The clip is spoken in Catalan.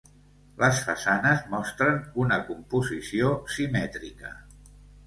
Les façanes mostren una composició simètrica.